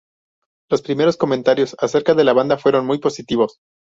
Los primeros comentarios acerca de la banda fueron muy positivos.